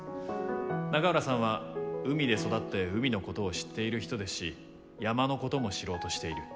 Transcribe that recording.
永浦さんは海で育って海のことを知っている人ですし山のことも知ろうとしている。